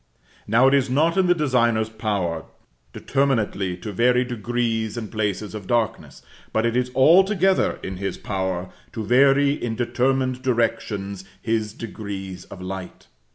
Now, it is not in the designer's power determinately to vary degrees and places of darkness, but it is altogether in his power to vary in determined directions his degrees of light.